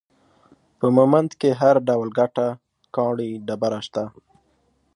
په مومند کې هر ډول ګټه ، کاڼي ، ډبره، شته